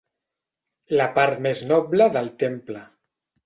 La part més noble del temple.